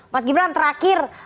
mas gibran terakhir